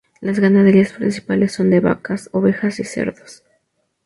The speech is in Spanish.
Las ganaderías principales son de vacas, ovejas y cerdos.